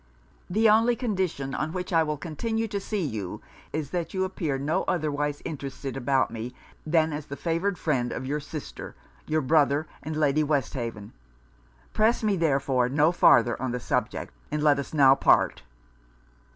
The only condition on which I will continue to see you is, that you appear no otherwise interested about me, than as the favoured friend of your sister, your brother, and Lady Westhaven. Press me, therefore, no farther on the subject, and let us now part.'